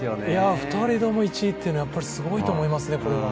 ２人とも１位というのはすごいと思いますね。